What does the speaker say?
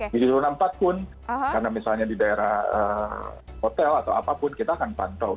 di zona empat pun karena misalnya di daerah hotel atau apapun kita akan pantau